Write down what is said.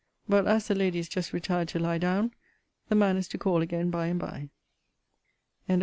But, as the lady is just retired to lie down, the man is to call again by and by. LETTER L MR.